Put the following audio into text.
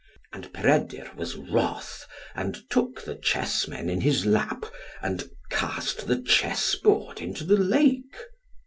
And Peredur was wroth, and took the chessmen in his lap, and cast the chessboard into the lake.